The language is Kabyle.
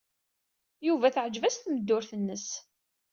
Yuba teɛjeb-as tmeddurt-nnes.